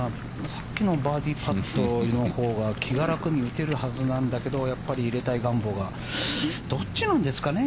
さっきのバーディーパットのほうが気が楽に打てるはずなんだけどやっぱり入れたい願望が。どっちなんですかね。